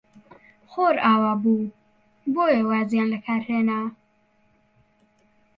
خۆر ئاوا بوو، بۆیە وازیان لە کار هێنا.